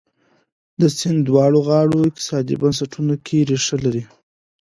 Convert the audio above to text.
د سیند دواړو غاړو اقتصادي بنسټونو کې ریښه لري.